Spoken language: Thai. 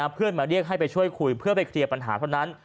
เพื่อนมาเรียกให้ไปช่วยคุยเพื่อไปเคลียร์ปัญหาเท่านั้น